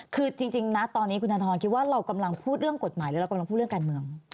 คือจริงนะตอนนี้คุณธนทรคิดว่าเรากำลังพูดเรื่องกฎหมายหรือเรากำลังพูดเรื่องการเมือง